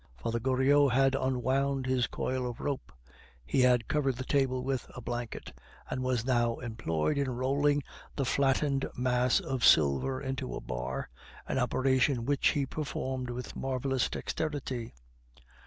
Father Goriot had unwound his coil of rope; he had covered the table with a blanket, and was now employed in rolling the flattened mass of silver into a bar, an operation which he performed with marvelous dexterity.